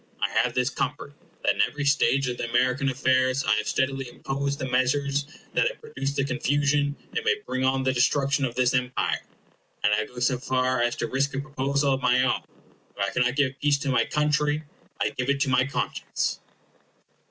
I have this comfort, that in every stage of the American affairs I have steadily opposed the measures that have produced the confusion, and may bring on the destruction, of this Empire. I now go so far as to risk a proposal of my own. If I cannot give peace to my country, I give it to my conscience.